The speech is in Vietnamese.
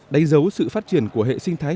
đánh dấu sự phát triển của hệ sinh thái